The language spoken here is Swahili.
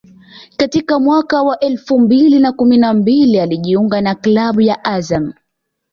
Katika mwaka wa elfu mbili na kumi na mbili alijiunga na klabu ya Azam